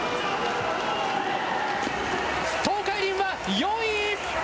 東海林は４位。